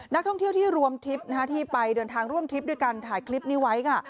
นักท่องเที่ยวที่รวมทริปที่ไปเดินทางร่วมทริปด้วยกันถ่ายคลิปนี้ไว้ค่ะ